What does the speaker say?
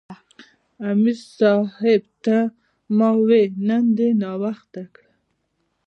امیر صېب ته ما وې " نن دې ناوخته کړۀ "